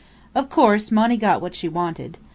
Of course, Monny got what she wanted.